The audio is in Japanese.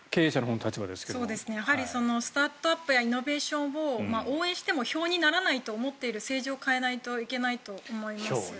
スタートアップやイノベーションを応援しても票にならないと思っている政治を変えないといけないと思います。